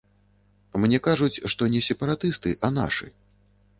Мне кажуць, што не сепаратысты, а нашы.